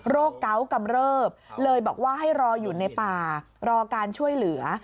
เกาะกำเริบเลยบอกว่าให้รออยู่ในป่ารอการช่วยเหลือ